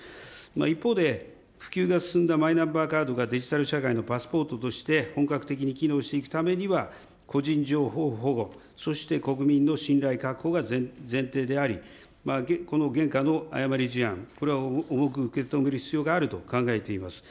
一方で、普及が進んだマイナンバーカードがデジタル社会のパスポートとして本格的に機能していくためには、個人情報保護、そして国民の信頼確保が前提であり、この現下の誤り事案、これを重く受け止める必要があると考えています。